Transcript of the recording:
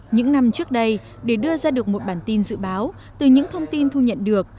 những năm trước đây để đưa ra được một bản tin dự báo từ những thông tin thu nhận được